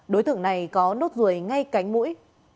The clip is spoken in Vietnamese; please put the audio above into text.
đối tượng này có nốt ruồi ngay cánh mũi